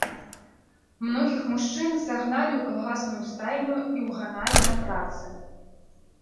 Многіх мужчын сагналі ў калгасную стайню і ўганалі на працы.